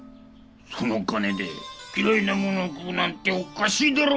その金で嫌いなものを食うなんておかしいだろう。